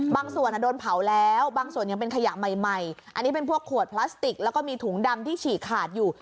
บางส่วนโดนเผาแล้วบางส่วนยังเป็นขยะใหม่อันนี้เป็นพวกขวดพลาสติกแล้วก็มีถุงดำที่ฉีกขาดอยู่